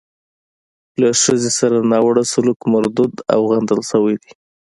له ښځې سره ناوړه سلوک مردود او غندل شوی دی.